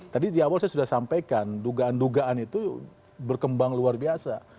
tadi di awal saya sudah sampaikan dugaan dugaan itu berkembang luar biasa